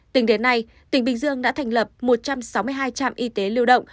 tính đến nay tỉnh bình dương đã thành lập một trăm sáu mươi hai trạm y tế lưu động